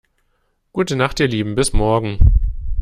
Gute Nacht ihr Lieben, bis morgen.